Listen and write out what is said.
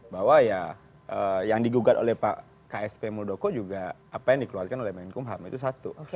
bahwa ya yang digugat oleh pak ksp muldoko juga apa yang dikeluarkan oleh menkumham itu satu